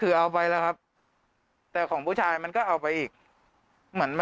เรื่องของเรื่องคือเขางง